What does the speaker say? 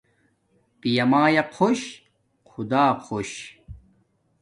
پیا مایا خوش خدا خوش